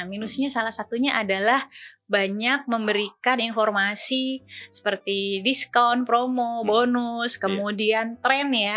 minusnya salah satunya adalah banyak memberikan informasi seperti diskon promo bonus kemudian tren ya